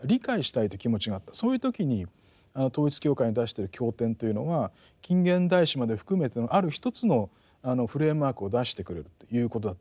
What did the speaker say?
そういう時に統一教会の出してる経典というのが近現代史まで含めてのある一つのフレームワークを出してくれるということだったと思うんですね。